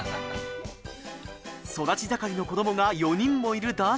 育ち盛りの子供が４人もいるだー